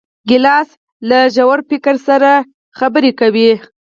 ګیلاس له ژور فکر سره غږېږي.